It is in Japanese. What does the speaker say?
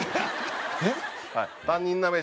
えっ？